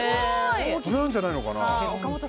それなんじゃないかな？